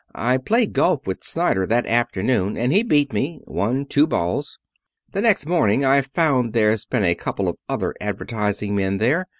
I played golf with Snyder that afternoon and he beat me. Won two balls. The next morning I found there's been a couple of other advertising men there.